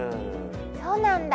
そうなんだ。